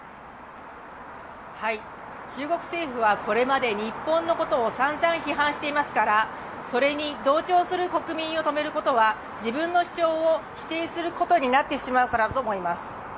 中国政府はこれまで日本のことをさんざん批判していますからそれに同調する国民を止めることは自分の主張を否定することになってしまうからだと思います。